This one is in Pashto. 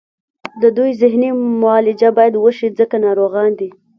د دوی ذهني معالجه باید وشي ځکه ناروغان دي